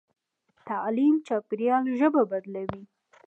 تعلیم چاپېریال ژبه بدلوي.